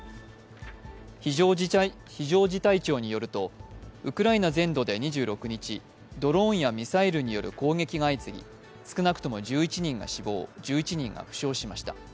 非常事態庁によるとウクライナ全土で２６日、ドローンやミサイルによる攻撃が相次ぎ少なくとも１１人が死亡１１人が負傷しました。